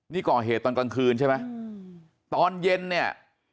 นี่ก่อเหตุตอนกลางคืนใช่ไหมตอนเย็นเนี่ย